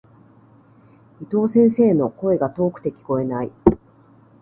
伊藤先生の、声が遠くて聞こえない。